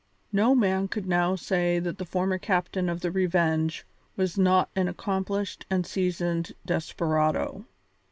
No man could now say that the former captain of the Revenge was not an accomplished and seasoned desperado.